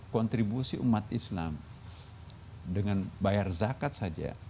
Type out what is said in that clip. kontribusi umat islam dengan bayar zakat saja